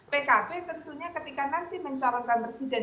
pkb tentunya ketika nanti mencalonkan presiden